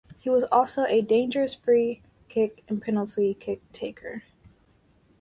He was also a dangerous free kick and penalty kick taker.